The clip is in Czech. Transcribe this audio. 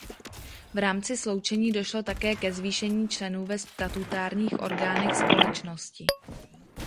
V rámci sloučení došlo také ke zvýšení členů ve statutárních orgánech společnosti.